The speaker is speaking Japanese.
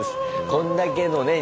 こんだけのね